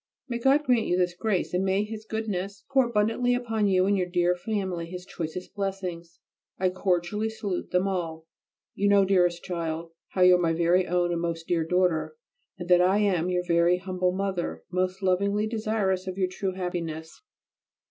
May God grant you this grace, and may His Goodness pour abundantly upon you and your dear family His choicest blessings. I cordially salute them all. You know, dearest child, how you are my very own and most dear daughter, and that I am your very humble mother, most lovingly desirous of your true happiness.